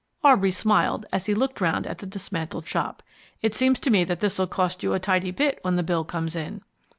Aubrey smiled as he looked round at the dismantled shop. "It seems to me that this'll cost you a tidy bit when the bill comes in."